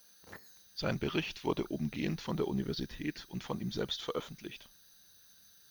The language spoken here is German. Sein Bericht wurde umgehend von der Universität und von ihm selbst veröffentlicht.